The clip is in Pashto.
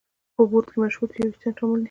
په بورډ کې مشهور تیوریستان شامل دي.